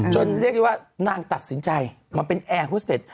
เรียกได้ว่านางตัดสินใจมาเป็นแอร์ฮุสเต็ด